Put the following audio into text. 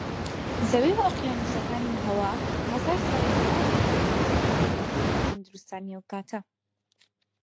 زەوی و ئۆقیانووسەکان و هەوا هەزار ساڵی تەواویان دەوێت تا دەگەڕێنەوە دۆخی تەندروستانەی ئەوکاتە